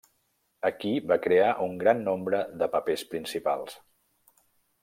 Aquí va crear un gran nombre de papers principals.